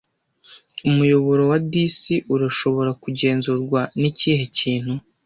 Umuyoboro wa DC urashobora kugenzurwa nikihe kintu